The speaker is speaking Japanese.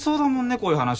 こういう話。